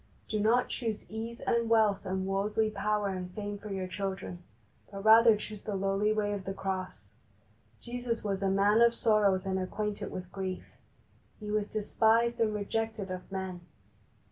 Do not choose ease and wealth and worldly power and fame for your children, but rather choose the lowly way of the Cross. Jesus was a Man of Sorrows and acquainted with grief. He was despised and rejected of men.